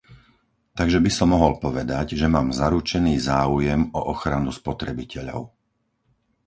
Takže by som mohol povedať, že mám zaručený záujem o ochranu spotrebiteľov.